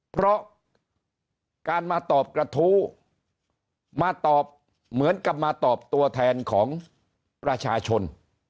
เพราะการมาตอบกระทู้มาตอบเหมือนกับมาตอบตัวแทนของประชาชน